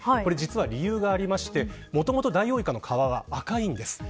これ、実は理由がありましてもともとダイオウイカの皮は赤いんです。